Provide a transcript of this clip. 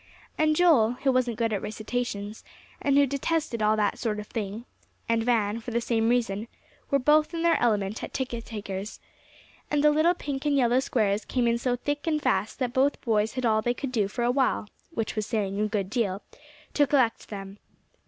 And Joel, who wasn't good at recitations, and who detested all that sort of thing, and Van, for the same reason, were both in their element as ticket takers. And the little pink and yellow squares came in so thick and fast that both boys had all they could do for a while which was saying a good deal to collect them.